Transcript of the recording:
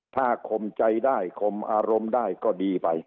ถ้าคมใจได้คมอารมณ์ได้ก็ดีไป